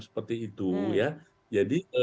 seperti itu ya jadi